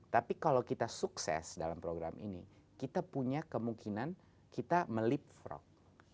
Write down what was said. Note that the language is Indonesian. tapi kalau kita sukses dalam program ini kita punya kemungkinan kita melip frog